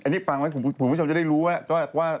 นี่พลังไว้คุณผู้ชมจะได้รู้ว่า